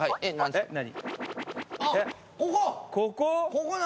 ここ？